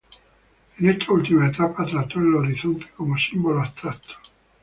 En esta última etapa, trató el horizonte como símbolo abstracto.